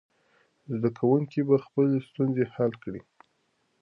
زده کوونکي به خپلې ستونزې حل کړي.